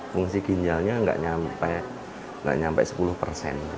fungsi ginjalnya nggak sampai sepuluh persen